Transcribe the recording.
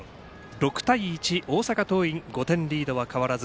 ６対１、大阪桐蔭５点リードは変わらず。